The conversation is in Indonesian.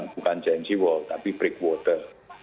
bukan giant seawall tapi brick border